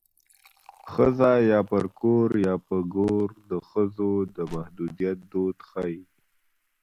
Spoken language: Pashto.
ښځه یا پر کور یا په ګور د ښځو د محدودیت دود ښيي